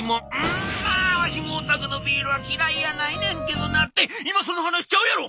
「んまあわしもおたくのビールは嫌いやないねんけどな。って今その話ちゃうやろ！